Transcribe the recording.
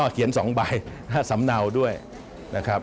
เขียน๒ใบ๕สำเนาด้วยนะครับ